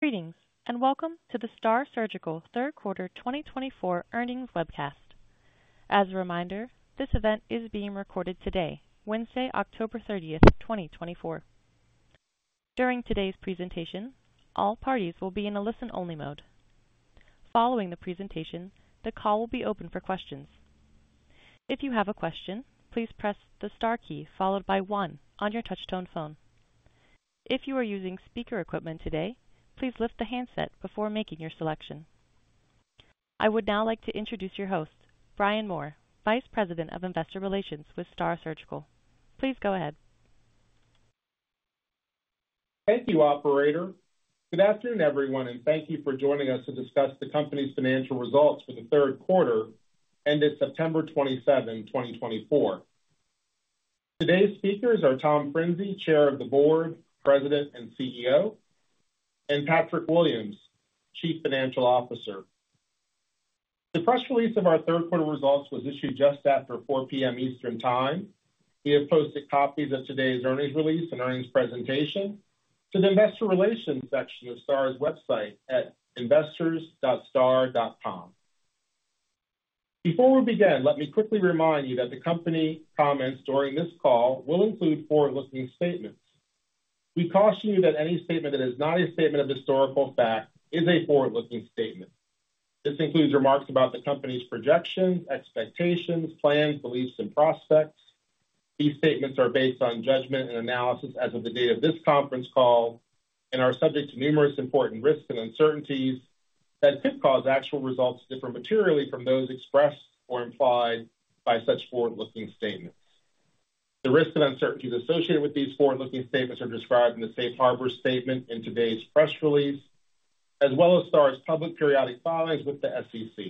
Greetings and welcome to the STAAR Surgical third quarter 2024 earnings webcast. As a reminder, this event is being recorded today, Wednesday, October 30th, 2024. During today's presentation, all parties will be in a listen-only mode. Following the presentation, the call will be open for questions. If you have a question, please press the star key followed by one on your touch-tone phone. If you are using speaker equipment today, please lift the handset before making your selection. I would now like to introduce your host, Brian Moore, Vice President of Investor Relations with STAAR Surgical. Please go ahead. Thank you, Operator. Good afternoon, everyone, and thank you for joining us to discuss the company's financial results for the third quarter ended September 27, 2024. Today's speakers are Tom Frinzi, Chair of the Board, President and CEO, and Patrick Williams, Chief Financial Officer. The press release of our third quarter results was issued just after 4:00 P.M. Eastern Time. We have posted copies of today's earnings release and earnings presentation to the Investor Relations section of STAAR's website at investors.staar.com. Before we begin, let me quickly remind you that the company comments during this call will include forward-looking statements. We caution you that any statement that is not a statement of historical fact is a forward-looking statement. This includes remarks about the company's projections, expectations, plans, beliefs, and prospects. These statements are based on judgment and analysis as of the date of this conference call and are subject to numerous important risks and uncertainties that could cause actual results to differ materially from those expressed or implied by such forward-looking statements. The risks and uncertainties associated with these forward-looking statements are described in the Safe Harbor statement in today's press release, as well as STAAR's public periodic filings with the SEC.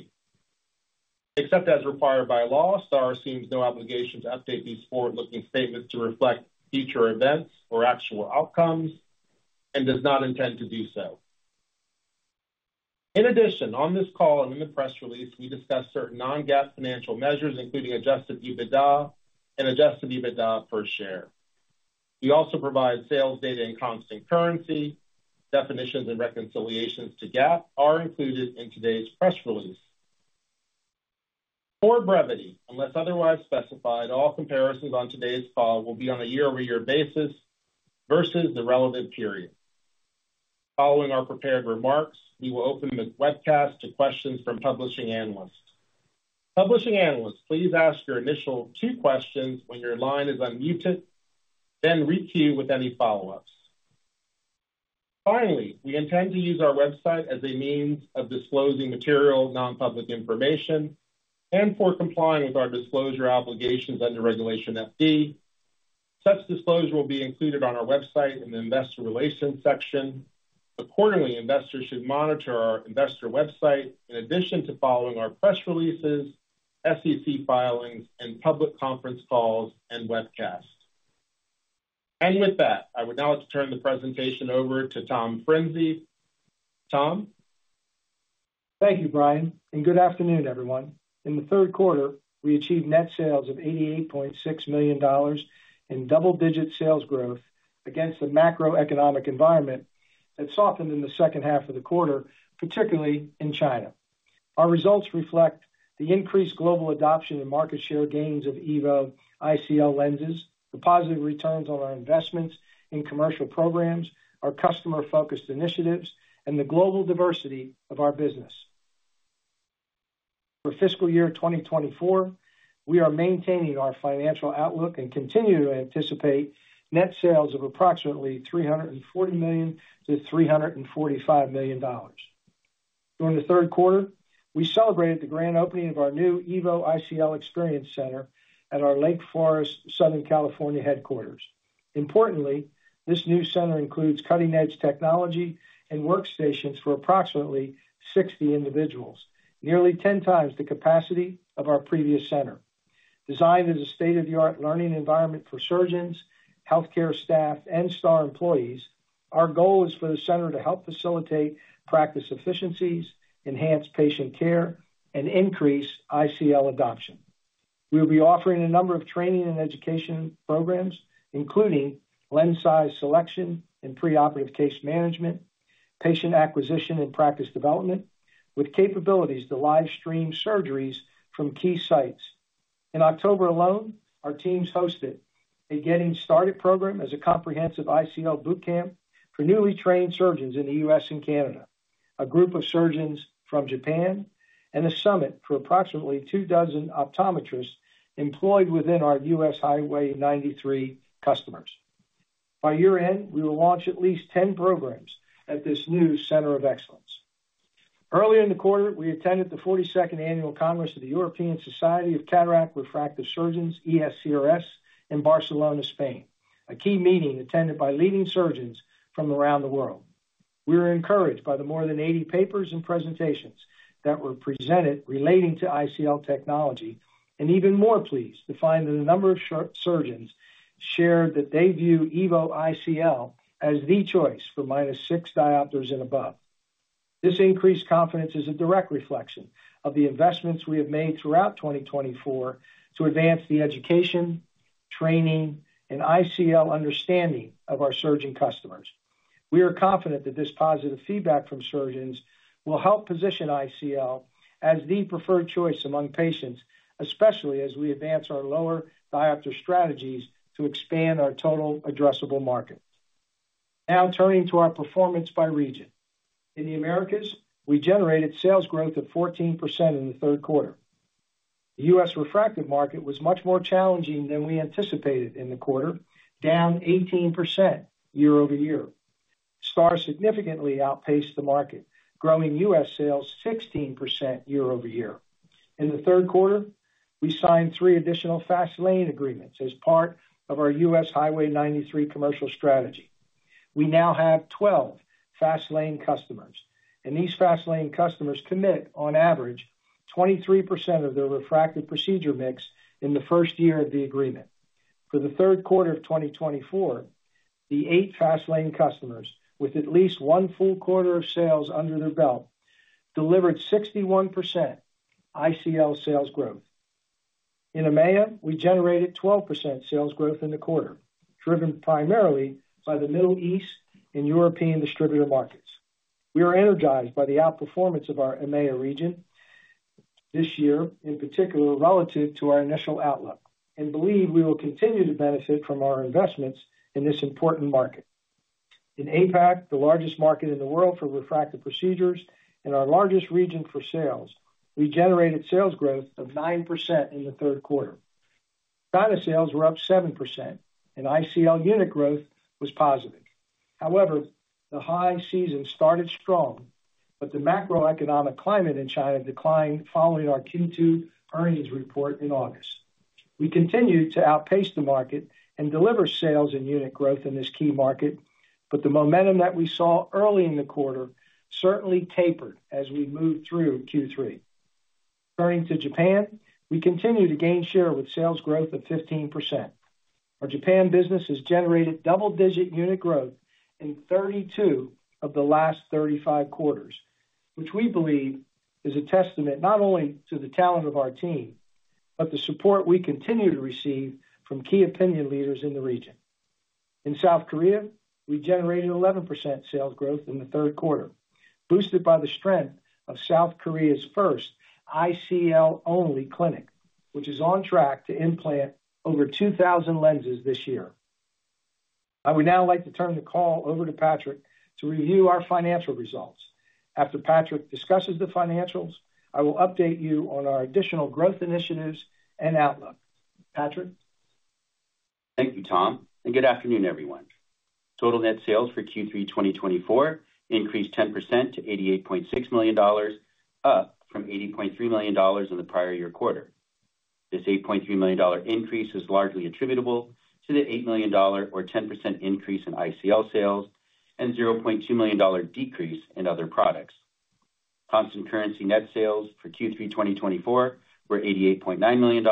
Except as required by law, STAAR assumes no obligation to update these forward-looking statements to reflect future events or actual outcomes and does not intend to do so. In addition, on this call and in the press release, we discuss certain non-GAAP financial measures, including Adjusted EBITDA and Adjusted EBITDA per share. We also provide sales data in constant currency. Definitions and reconciliations to GAAP are included in today's press release. For brevity, unless otherwise specified, all comparisons on today's call will be on a year-over-year basis versus the relevant period. Following our prepared remarks, we will open the webcast to questions from publishing analysts. Publishing analysts, please ask your initial two questions when your line is unmuted, then re-queue with any follow-ups. Finally, we intend to use our website as a means of disclosing material non-public information and for complying with our disclosure obligations under Regulation FD. Such disclosure will be included on our website in the Investor Relations section. Accordingly, investors should monitor our investor website in addition to following our press releases, SEC filings, and public conference calls and webcasts. And with that, I would now like to turn the presentation over to Tom Frinzi. Tom? Thank you, Brian, and good afternoon, everyone. In the third quarter, we achieved net sales of $88.6 million in double-digit sales growth against the macroeconomic environment that softened in the second half of the quarter, particularly in China. Our results reflect the increased global adoption and market share gains of EVO ICL lenses, the positive returns on our investments in commercial programs, our customer-focused initiatives, and the global diversity of our business. For fiscal year 2024, we are maintaining our financial outlook and continue to anticipate net sales of approximately $340 million-$345 million. During the third quarter, we celebrated the grand opening of our new EVO ICL Experience Center at our Lake Forest, California headquarters. Importantly, this new center includes cutting-edge technology and workstations for approximately 60 individuals, nearly 10 times the capacity of our previous center. Designed as a state-of-the-art learning environment for surgeons, healthcare staff, and STAAR employees, our goal is for the center to help facilitate practice efficiencies, enhance patient care, and increase ICL adoption. We will be offering a number of training and education programs, including lens size selection and preoperative case management, patient acquisition, and practice development, with capabilities to live-stream surgeries from key sites. In October alone, our teams hosted a Getting Started program as a comprehensive ICL boot camp for newly trained surgeons in the U.S. and Canada, a group of surgeons from Japan, and a summit for approximately two dozen optometrists employed within our U.S. Highway 93 customers. By year-end, we will launch at least 10 programs at this new center of excellence. Earlier in the quarter, we attended the 42nd Annual Congress of the European Society of Cataract and Refractive Surgeons, ESCRS, in Barcelona, Spain, a key meeting attended by leading surgeons from around the world. We were encouraged by the more than 80 papers and presentations that were presented relating to ICL technology and even more pleased to find that a number of surgeons shared that they view EVO ICL as the choice for minus 6 diopters and above. This increased confidence is a direct reflection of the investments we have made throughout 2024 to advance the education, training, and ICL understanding of our surgeon customers. We are confident that this positive feedback from surgeons will help position ICL as the preferred choice among patients, especially as we advance our lower diopter strategies to expand our total addressable market. Now turning to our performance by region. In the Americas, we generated sales growth of 14% in the third quarter. The U.S. refractive market was much more challenging than we anticipated in the quarter, down 18% year-over-year. STAAR significantly outpaced the market, growing U.S. sales 16% year-over-year. In the third quarter, we signed three additional Fast Lane agreements as part of our U.S. Highway 93 commercial strategy. We now have 12 Fast Lane customers, and these Fast Lane customers commit, on average, 23% of their refractive procedure mix in the first year of the agreement. For the third quarter of 2024, the eight Fast Lane customers, with at least one full quarter of sales under their belt, delivered 61% ICL sales growth. In EMEA, we generated 12% sales growth in the quarter, driven primarily by the Middle East and European distributor markets. We are energized by the outperformance of our EMEA region this year, in particular relative to our initial outlook, and believe we will continue to benefit from our investments in this important market. In APAC, the largest market in the world for refractive procedures and our largest region for sales, we generated sales growth of 9% in the third quarter. China sales were up 7%, and ICL unit growth was positive. However, the high season started strong, but the macroeconomic climate in China declined following our Q2 earnings report in August. We continue to outpace the market and deliver sales and unit growth in this key market, but the momentum that we saw early in the quarter certainly tapered as we moved through Q3. Turning to Japan, we continue to gain share with sales growth of 15%. Our Japan business has generated double-digit unit growth in 32 of the last 35 quarters, which we believe is a testament not only to the talent of our team, but the support we continue to receive from key opinion leaders in the region. In South Korea, we generated 11% sales growth in the third quarter, boosted by the strength of South Korea's first ICL-only clinic, which is on track to implant over 2,000 lenses this year. I would now like to turn the call over to Patrick to review our financial results. After Patrick discusses the financials, I will update you on our additional growth initiatives and outlook. Patrick? Thank you, Tom, and good afternoon, everyone. Total net sales for Q3 2024 increased 10% to $88.6 million, up from $80.3 million in the prior year quarter. This $8.3 million increase is largely attributable to the $8 million or 10% increase in ICL sales and $0.2 million decrease in other products. Constant currency net sales for Q3 2024 were $88.9 million,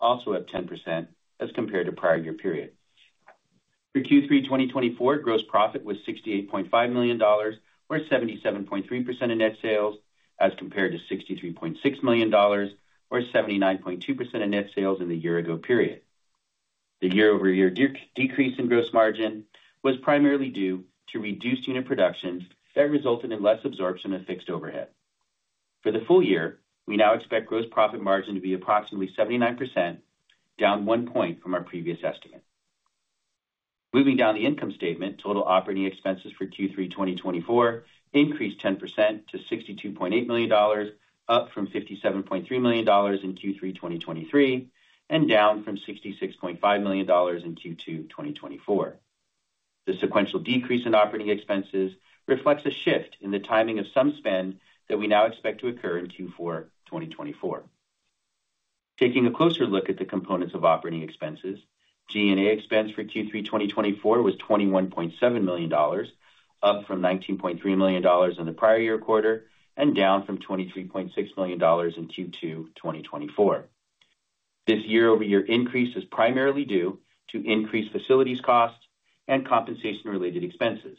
also up 10% as compared to prior year period. For Q3 2024, gross profit was $68.5 million, or 77.3% of net sales, as compared to $63.6 million, or 79.2% of net sales in the year-ago period. The year-over-year decrease in gross margin was primarily due to reduced unit production that resulted in less absorption of fixed overhead. For the full year, we now expect gross profit margin to be approximately 79%, down one point from our previous estimate. Moving down the income statement, total operating expenses for Q3 2024 increased 10% to $62.8 million, up from $57.3 million in Q3 2023 and down from $66.5 million in Q2 2024. The sequential decrease in operating expenses reflects a shift in the timing of some spend that we now expect to occur in Q4 2024. Taking a closer look at the components of operating expenses, G&A expense for Q3 2024 was $21.7 million, up from $19.3 million in the prior year quarter and down from $23.6 million in Q2 2024. This year-over-year increase is primarily due to increased facilities costs and compensation-related expenses.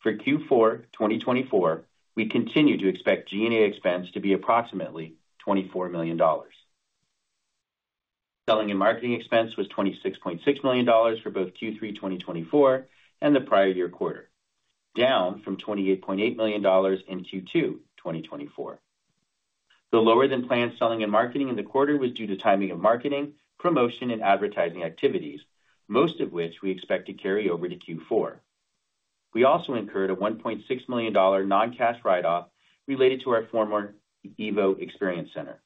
For Q4 2024, we continue to expect G&A expense to be approximately $24 million. Selling and marketing expense was $26.6 million for both Q3 2024 and the prior year quarter, down from $28.8 million in Q2 2024. The lower-than-planned selling and marketing in the quarter was due to timing of marketing, promotion, and advertising activities, most of which we expect to carry over to Q4. We also incurred a $1.6 million non-cash write-off related to our former EVO Experience Center.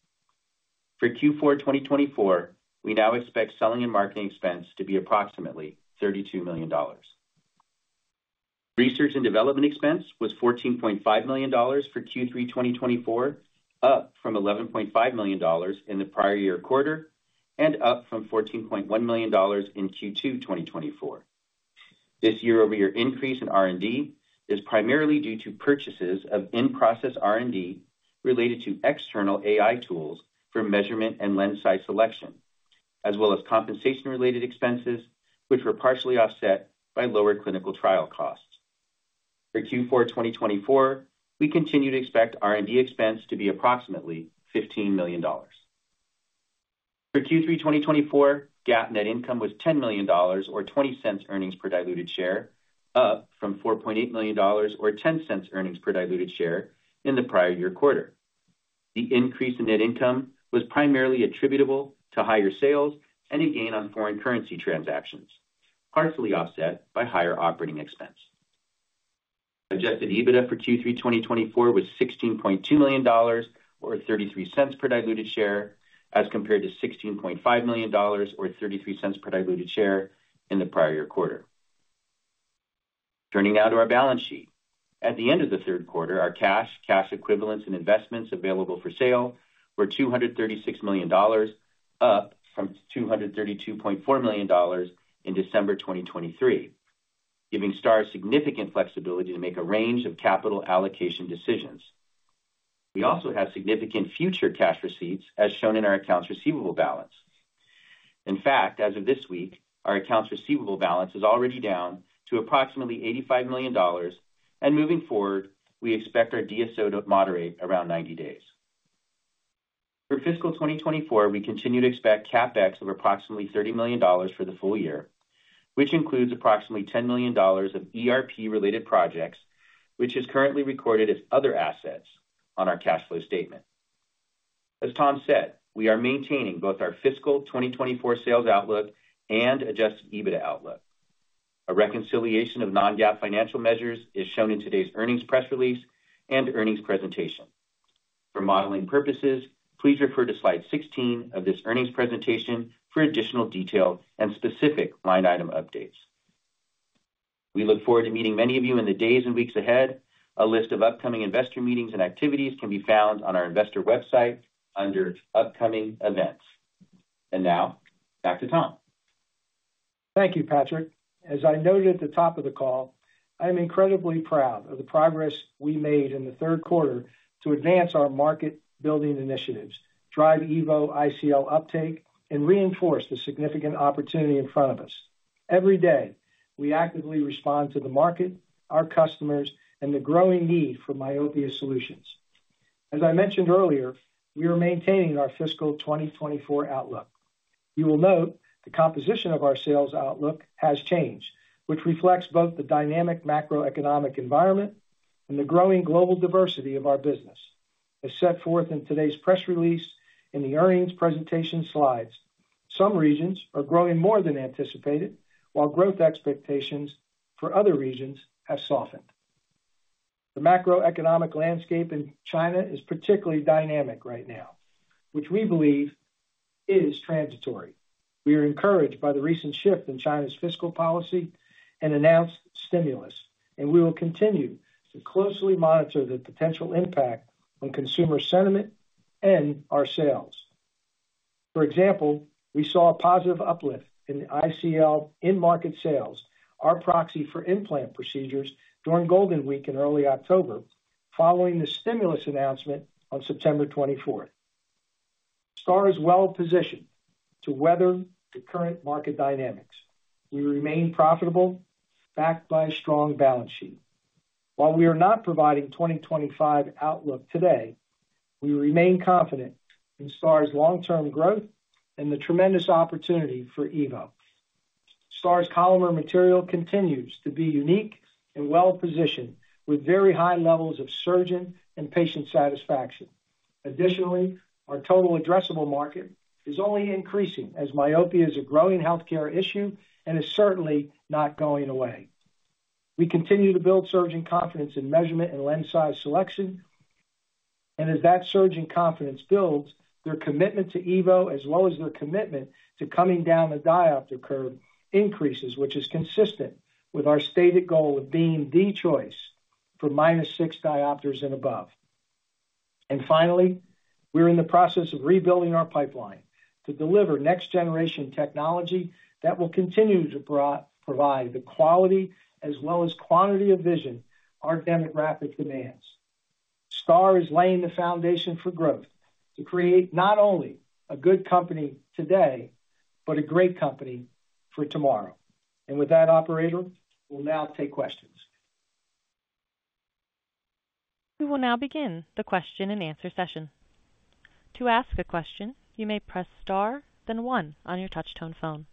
For Q4 2024, we now expect selling and marketing expense to be approximately $32 million. Research and development expense was $14.5 million for Q3 2024, up from $11.5 million in the prior year quarter and up from $14.1 million in Q2 2024. This year-over-year increase in R&D is primarily due to purchases of in-process R&D related to external AI tools for measurement and lens size selection, as well as compensation-related expenses, which were partially offset by lower clinical trial costs. For Q4 2024, we continue to expect R&D expense to be approximately $15 million. For Q3 2024, GAAP net income was $10 million or $0.20 earnings per diluted share, up from $4.8 million or $0.10 earnings per diluted share in the prior year quarter. The increase in net income was primarily attributable to higher sales and a gain on foreign currency transactions, partially offset by higher operating expense. Adjusted EBITDA for Q3 2024 was $16.2 million or $0.33 per diluted share, as compared to $16.5 million or $0.33 per diluted share in the prior year quarter. Turning now to our balance sheet. At the end of the third quarter, our cash, cash equivalents, and investments available for sale were $236 million, up from $232.4 million in December 2023, giving STAAR significant flexibility to make a range of capital allocation decisions. We also have significant future cash receipts, as shown in our accounts receivable balance. In fact, as of this week, our accounts receivable balance is already down to approximately $85 million, and moving forward, we expect our DSO to moderate around 90 days. For fiscal 2024, we continue to expect CapEx of approximately $30 million for the full year, which includes approximately $10 million of ERP-related projects, which is currently recorded as other assets on our cash flow statement. As Tom said, we are maintaining both our fiscal 2024 sales outlook and adjusted EBITDA outlook. A reconciliation of non-GAAP financial measures is shown in today's earnings press release and earnings presentation. For modeling purposes, please refer to slide 16 of this earnings presentation for additional detail and specific line item updates. We look forward to meeting many of you in the days and weeks ahead. A list of upcoming investor meetings and activities can be found on our investor website under upcoming events. And now, back to Tom. Thank you, Patrick. As I noted at the top of the call, I am incredibly proud of the progress we made in the third quarter to advance our market-building initiatives, drive EVO ICL uptake, and reinforce the significant opportunity in front of us. Every day, we actively respond to the market, our customers, and the growing need for myopia solutions. As I mentioned earlier, we are maintaining our fiscal 2024 outlook. You will note the composition of our sales outlook has changed, which reflects both the dynamic macroeconomic environment and the growing global diversity of our business. As set forth in today's press release and the earnings presentation slides, some regions are growing more than anticipated, while growth expectations for other regions have softened. The macroeconomic landscape in China is particularly dynamic right now, which we believe is transitory. We are encouraged by the recent shift in China's fiscal policy and announced stimulus, and we will continue to closely monitor the potential impact on consumer sentiment and our sales. For example, we saw a positive uplift in ICL in-market sales, our proxy for implant procedures, during Golden Week in early October, following the stimulus announcement on September 24. STAAR is well-positioned to weather the current market dynamics. We remain profitable, backed by a strong balance sheet. While we are not providing 2025 outlook today, we remain confident in STAAR's long-term growth and the tremendous opportunity for EVO. STAAR's polymer material continues to be unique and well-positioned, with very high levels of surgeon and patient satisfaction. Additionally, our total addressable market is only increasing as myopia is a growing healthcare issue and is certainly not going away. We continue to build surgeon confidence in measurement and lens size selection, and as that surgeon confidence builds, their commitment to EVO, as well as their commitment to coming down the diopter curve, increases, which is consistent with our stated goal of being the choice for minus six diopters and above. And finally, we're in the process of rebuilding our pipeline to deliver next-generation technology that will continue to provide the quality as well as quantity of vision our demographic demands. STAAR is laying the foundation for growth to create not only a good company today, but a great company for tomorrow. And with that, Operator, we'll now take questions. We will now begin the question-and-answer session. To ask a question, you may press Star, then One on your touch-tone phone.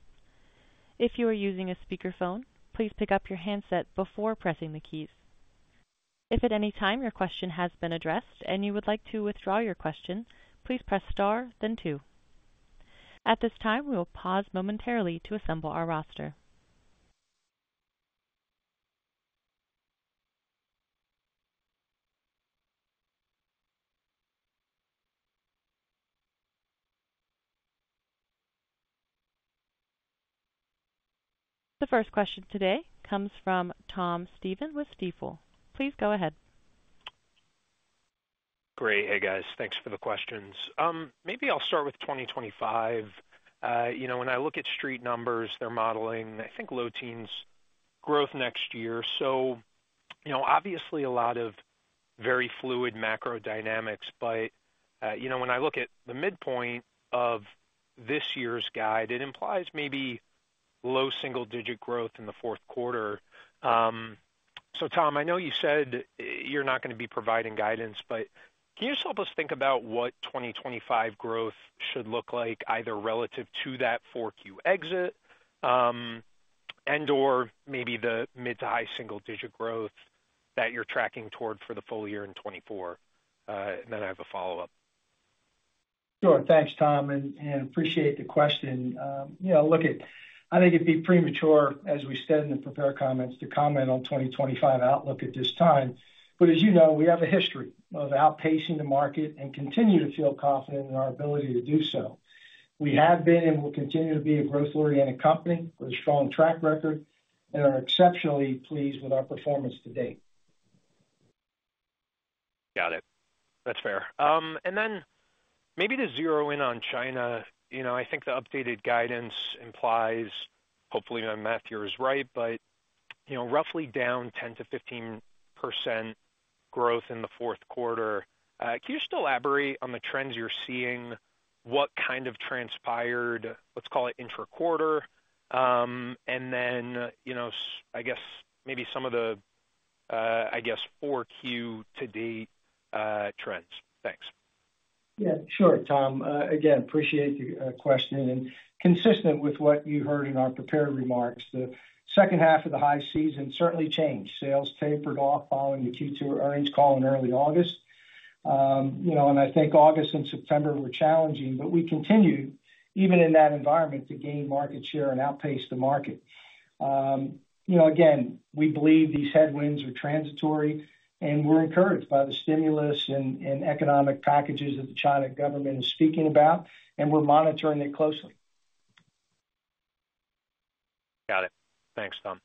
If you are using a speakerphone, please pick up your handset before pressing the keys. If at any time your question has been addressed and you would like to withdraw your question, please press Star, then Two. At this time, we will pause momentarily to assemble our roster. The first question today comes from Tom Stephan with Stifel. Please go ahead. Great. Hey, guys. Thanks for the questions. Maybe I'll start with 2025. You know, when I look at street numbers, they're modeling, I think, low teens growth next year. So, you know, obviously a lot of very fluid macro dynamics, but, you know, when I look at the midpoint of this year's guide, it implies maybe low single-digit growth in the fourth quarter. So, Tom, I know you said you're not going to be providing guidance, but can you just help us think about what 2025 growth should look like, either relative to that four-Q exit and/or maybe the mid to high single-digit growth that you're tracking toward for the full year in 2024? And then I have a follow-up. Sure. Thanks, Tom, and I appreciate the question. You know, look, I think it'd be premature, as we said in the prepared comments, to comment on 2025 outlook at this time. But as you know, we have a history of outpacing the market and continue to feel confident in our ability to do so. We have been and will continue to be a growth-oriented company with a strong track record, and we're exceptionally pleased with our performance to date. Got it. That's fair. And then maybe to zero in on China, you know, I think the updated guidance implies, hopefully my math here is right, but, you know, roughly down 10%-15% growth in the fourth quarter. Can you just elaborate on the trends you're seeing, what kind of transpired, let's call it intra-quarter, and then, you know, I guess maybe some of the, I guess, Q4 to date trends? Thanks. Yeah, sure, Tom. Again, appreciate the question. Consistent with what you heard in our prepared remarks, the second half of the high season certainly changed. Sales tapered off following the Q2 earnings call in early August. You know, and I think August and September were challenging, but we continued, even in that environment, to gain market share and outpace the market. You know, again, we believe these headwinds are transitory, and we're encouraged by the stimulus and economic packages that the China government is speaking about, and we're monitoring it closely. Got it. Thanks, Tom.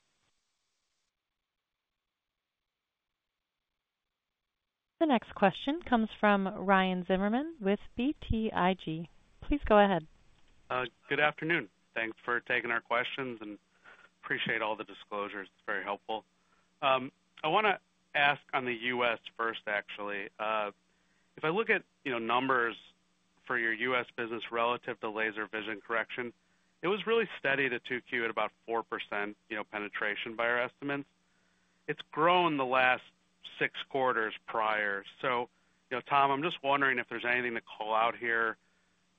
The next question comes from Ryan Zimmerman with BTIG. Please go ahead. Good afternoon. Thanks for taking our questions, and appreciate all the disclosures. It's very helpful. I want to ask on the U.S. first, actually. If I look at, you know, numbers for your U.S. business relative to laser vision correction, it was really steady to 2Q at about 4%, you know, penetration by our estimates. It's grown the last six quarters prior. So, you know, Tom, I'm just wondering if there's anything to call out here.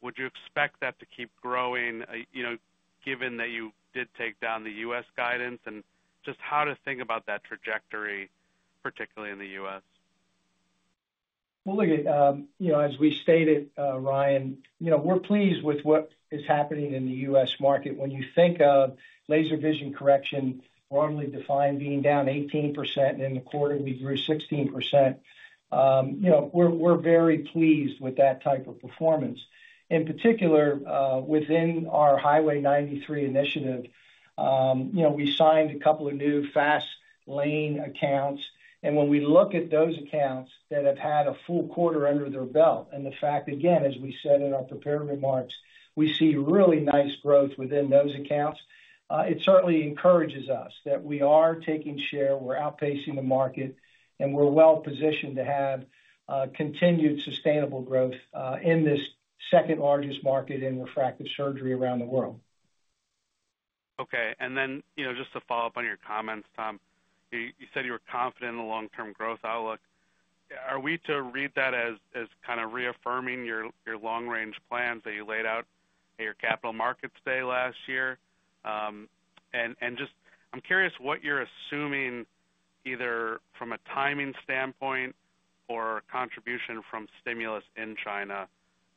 Would you expect that to keep growing, you know, given that you did take down the U.S. guidance, and just how to think about that trajectory, particularly in the U.S.? Look, you know, as we stated, Ryan, you know, we're pleased with what is happening in the U.S. market. When you think of laser vision correction broadly defined being down 18%, and in the quarter we grew 16%, you know, we're very pleased with that type of performance. In particular, within our Highway 93 initiative, you know, we signed a couple of new Fast Lane accounts. When we look at those accounts that have had a full quarter under their belt, and the fact, again, as we said in our prepared remarks, we see really nice growth within those accounts, it certainly encourages us that we are taking share, we're outpacing the market, and we're well-positioned to have continued sustainable growth in this second-largest market in refractive surgery around the world. Okay. And then, you know, just to follow up on your comments, Tom, you said you were confident in the long-term growth outlook. Are we to read that as kind of reaffirming your long-range plans that you laid out at your capital markets day last year? And just I'm curious what you're assuming either from a timing standpoint or contribution from stimulus in China,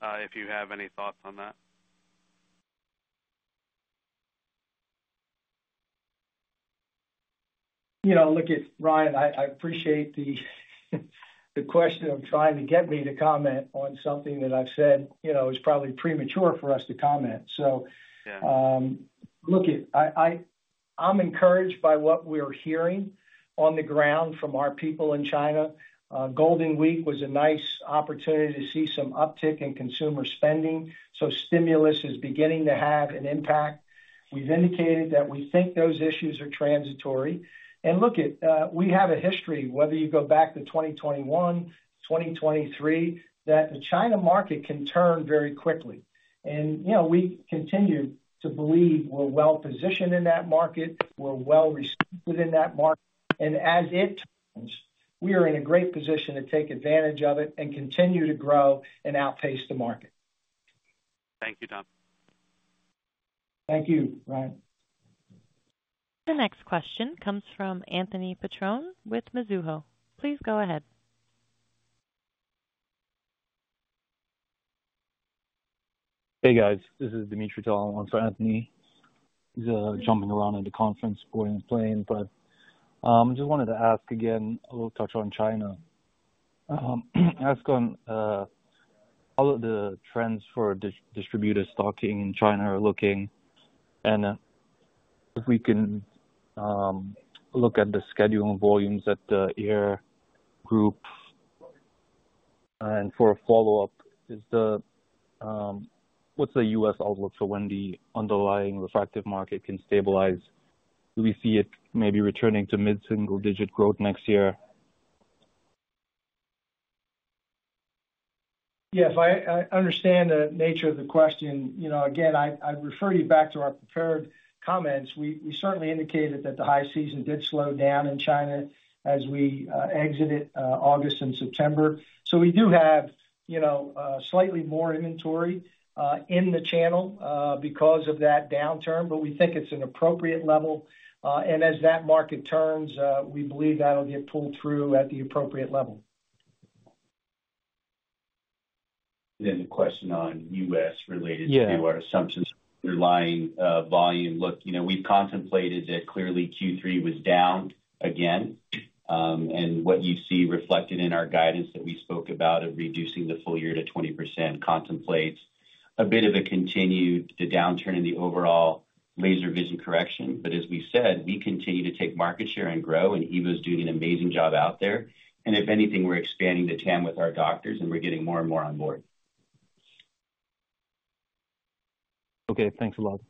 if you have any thoughts on that? You know, look, Ryan, I appreciate the question of trying to get me to comment on something that I've said, you know, is probably premature for us to comment. So, look, I'm encouraged by what we're hearing on the ground from our people in China. Golden Week was a nice opportunity to see some uptick in consumer spending, so stimulus is beginning to have an impact. We've indicated that we think those issues are transitory. And look, we have a history, whether you go back to 2021, 2023, that the China market can turn very quickly. And, you know, we continue to believe we're well-positioned in that market, we're well-respected in that market, and as it turns, we are in a great position to take advantage of it and continue to grow and outpace the market. Thank you, Tom. Thank you, Ryan. The next question comes from Anthony Petrone with Mizuho. Please go ahead. Hey, guys. This is Dimitri on for Anthony. He's jumping around in the conference, boarding the plane, but I just wanted to ask again, a little touch on China, ask on how the trends for distributors stocking in China are looking, and if we can look at the scheduling volumes at the group, and for a follow-up, what's the U.S. outlook for when the underlying refractive market can stabilize? Do we see it maybe returning to mid-single-digit growth next year? Yeah, if I understand the nature of the question, you know, again, I'd refer you back to our prepared comments. We certainly indicated that the high season did slow down in China as we exited August and September, so we do have, you know, slightly more inventory in the channel because of that downturn, but we think it's an appropriate level, and as that market turns, we believe that'll get pulled through at the appropriate level. We had a question on U.S. related to our assumptions underlying volume. Look, you know, we've contemplated that clearly Q3 was down again, and what you see reflected in our guidance that we spoke about of reducing the full year to 20% contemplates a bit of a continued downturn in the overall laser vision correction. But as we said, we continue to take market share and grow, and Evo's doing an amazing job out there. And if anything, we're expanding the TAM with our doctors, and we're getting more and more on board. Okay. Thanks a lot.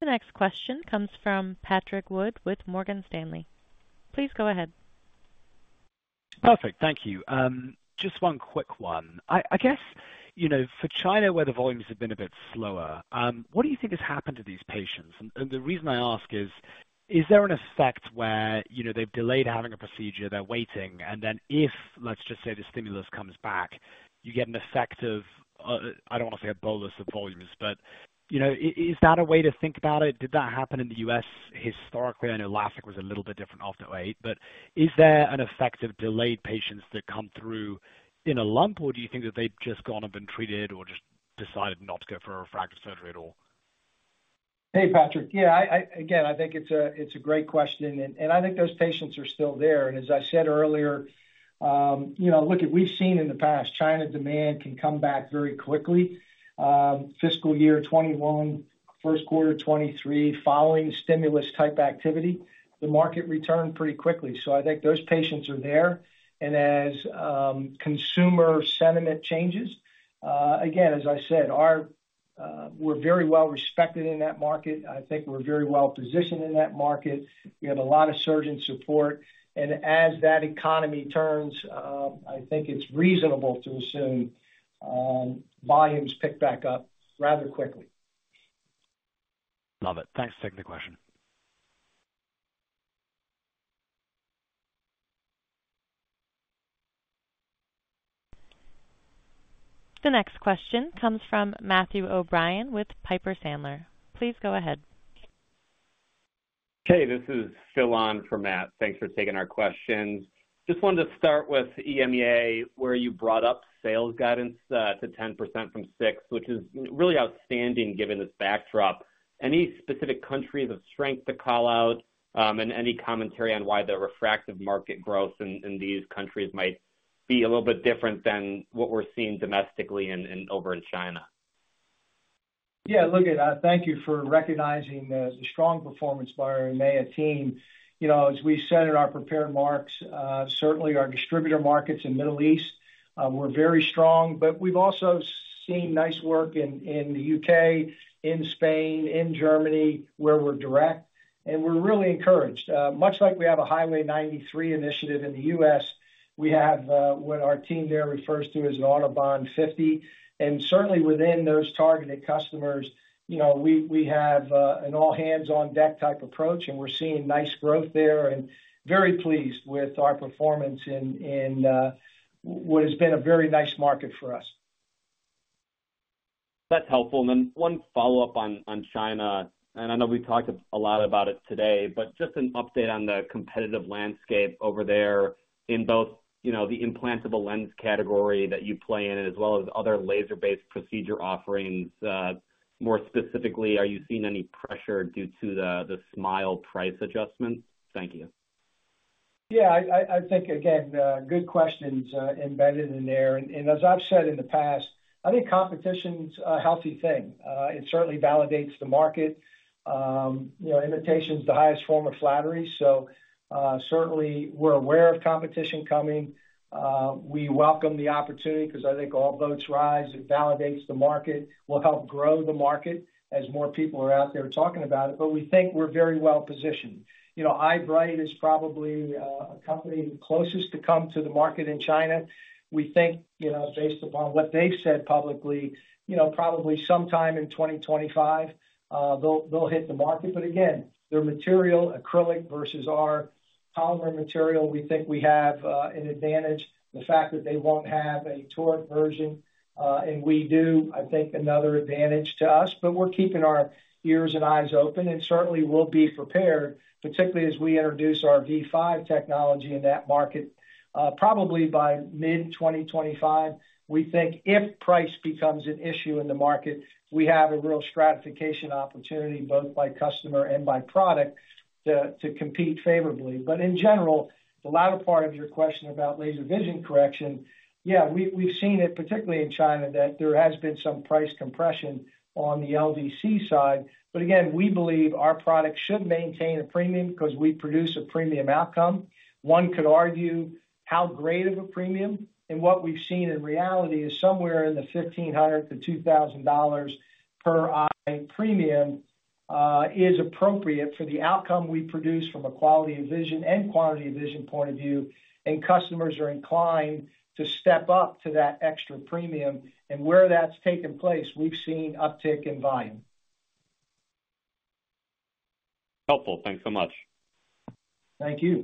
The next question comes from Patrick Wood with Morgan Stanley. Please go ahead. Perfect. Thank you. Just one quick one. I guess, you know, for China, where the volumes have been a bit slower, what do you think has happened to these patients? And the reason I ask is, is there an effect where, you know, they've delayed having a procedure, they're waiting, and then if, let's just say, the stimulus comes back, you get an effect of, I don't want to say a bolus of volumes, but, you know, is that a way to think about it? Did that happen in the U.S. historically? I know LASIK was a little bit different after 2008, but is there an effect of delayed patients that come through in a lump, or do you think that they've just gone and been treated or just decided not to go for a refractive surgery at all? Hey, Patrick. Yeah, again, I think it's a great question, and I think those patients are still there, and as I said earlier, you know, look, we've seen in the past, China demand can come back very quickly. Fiscal year 2021, first quarter 2023, following stimulus-type activity, the market returned pretty quickly, so I think those patients are there, and as consumer sentiment changes, again, as I said, we're very well-respected in that market. I think we're very well-positioned in that market. We have a lot of surgeon support, and as that economy turns, I think it's reasonable to assume volumes pick back up rather quickly. Love it. Thanks for taking the question. The next question comes from Matthew O'Brien with Piper Sandler. Please go ahead. Hey, this is Phil on from Matt. Thanks for taking our questions. Just wanted to start with EMEA, where you brought up sales guidance to 10% from 6%, which is really outstanding given this backdrop. Any specific countries of strength to call out, and any commentary on why the refractive market growth in these countries might be a little bit different than what we're seeing domestically and over in China? Yeah, look, thank you for recognizing the strong performance by our EMEA team. You know, as we said in our prepared remarks, certainly our distributor markets in the Middle East were very strong, but we've also seen nice work in the U.K., in Spain, in Germany, where we're direct, and we're really encouraged. Much like we have a Highway 93 initiative in the U.S., we have what our team there refers to as an Autobahn 50, and certainly within those targeted customers, you know, we have an all-hands-on-deck type approach, and we're seeing nice growth there, and very pleased with our performance in what has been a very nice market for us. That's helpful, and then one follow-up on China, and I know we talked a lot about it today, but just an update on the competitive landscape over there in both, you know, the implantable lens category that you play in, as well as other laser-based procedure offerings. More specifically, are you seeing any pressure due to the SMILE price adjustment? Thank you. Yeah, I think, again, good questions embedded in there, and as I've said in the past, I think competition's a healthy thing. It certainly validates the market. You know, imitation's the highest form of flattery, so certainly we're aware of competition coming. We welcome the opportunity because I think all boats rise. It validates the market. We'll help grow the market as more people are out there talking about it, but we think we're very well-positioned. You know, Eyebright is probably a company closest to come to the market in China. We think, you know, based upon what they've said publicly, you know, probably sometime in 2025, they'll hit the market, but again, their material, acrylic versus our polymer material, we think we have an advantage. The fact that they won't have a toric version, and we do, I think, another advantage to us. But we're keeping our ears and eyes open, and certainly we'll be prepared, particularly as we introduce our Viva technology in that market. Probably by mid-2025, we think if price becomes an issue in the market, we have a real stratification opportunity both by customer and by product to compete favorably. But in general, the latter part of your question about laser vision correction, yeah, we've seen it, particularly in China, that there has been some price compression on the LVC side. But again, we believe our product should maintain a premium because we produce a premium outcome. One could argue how great of a premium, and what we've seen in reality is somewhere in the $1,500-$2,000 per eye premium is appropriate for the outcome we produce from a quality of vision and quantity of vision point of view, and customers are inclined to step up to that extra premium. And where that's taken place, we've seen uptick in volume. Helpful. Thanks so much. Thank you.